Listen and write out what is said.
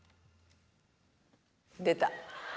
出た。